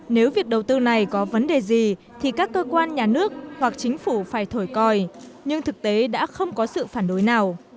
nếu việc đầu tư này có vấn đề gì thì các cơ quan nhà nước hoặc chính phủ phải thổi coi nhưng thực tế đã không có sự phản đối nào